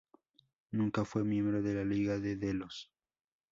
Nunca fue miembro de la Liga de Delos.